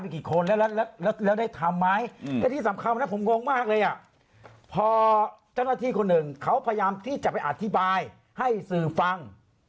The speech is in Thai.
อืมแล้วที่สำคัญว่าผมงงมากเลยอ่ะพอเจ้าหน้าที่คนหนึ่งเขาพยายามที่จะไปอธิบายให้สื่อฟัง